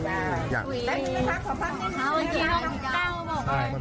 เก้าชอบอีก